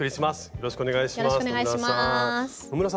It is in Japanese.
よろしくお願いします野村さん。